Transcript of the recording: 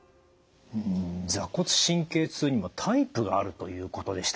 坐骨神経痛にはタイプがあるということでした。